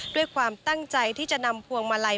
ด้วยความตั้งใจที่จะนำพวงมาลัย